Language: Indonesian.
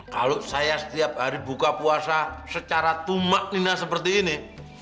kalau saya setiap hari buka puasa secara tumak nina seperti ini